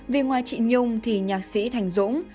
vì ngoài chị nhung thì nhạc sĩ thành dũng